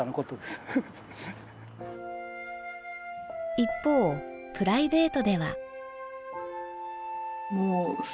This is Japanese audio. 一方プライベートでは。